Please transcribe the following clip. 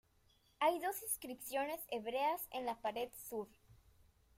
Hay dos inscripciones hebreas en la pared sur.